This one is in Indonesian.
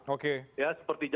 oke ya seperti itu